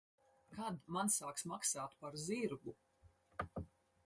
Kad man sāks maksāt par zirgu?